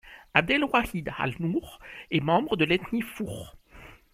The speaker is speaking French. Abdelwahid al-Nour est membre de l'ethnie Four.